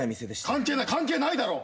関係ない関係ないだろ！